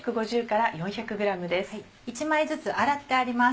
１枚ずつ洗ってあります。